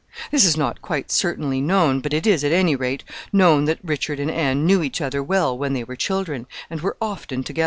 [H] This is not quite certainly known, but it is at any rate known that Richard and Anne knew each other well when they were children, and were often together.